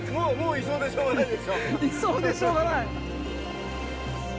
いそうでしょうがない